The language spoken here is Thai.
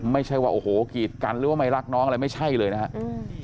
ไม่ใช่ว่าโอ้โหกีดกันหรือว่าไม่รักน้องอะไรไม่ใช่เลยนะครับ